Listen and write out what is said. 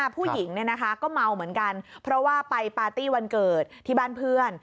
ผู้หญิงก็เมาเหมือนกันเพราะว่าไปปาร์ตี้วันเกิดที่บ้านเพื่อน